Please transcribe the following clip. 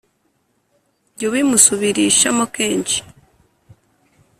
jya ubimusubirishamo kenshi